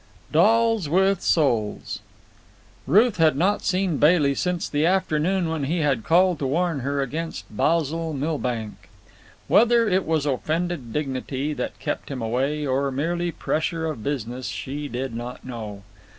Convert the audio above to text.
Dolls with Souls Ruth had not seen Bailey since the afternoon when he had called to warn her against Basil Milbank. Whether it was offended dignity that kept him away, or merely pressure of business, she did not know.